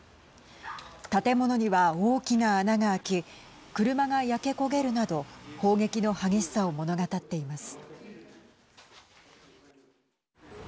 建物には大きな穴が開き車が焼け焦げるなど砲撃の激しさを物語っています。